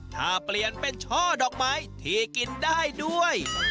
ถ้าเปลี่ยนเป็นช่อดอกไม้ที่กินได้ด้วย